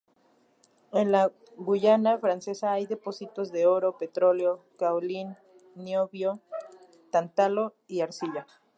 En la Guyana Francesa hay depósitos de oro, petróleo, caolín, niobio, tántalo y arcilla.